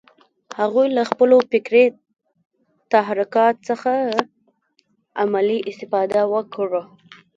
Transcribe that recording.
هغوی له خپلو فکري تحرکات څخه عملي استفاده وکړه